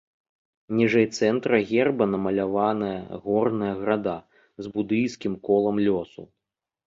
Ніжэй цэнтра герба намаляваная горная града, з будысцкім колам лёсу.